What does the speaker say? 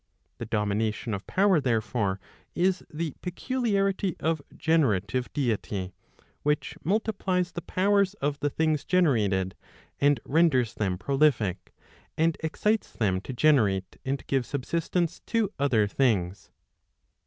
The domination of power therefore is the peculiarity of generative deity, which multiplies the powers of the things generated, and renders them prolific, and excites them to generate and give subsistence to other things.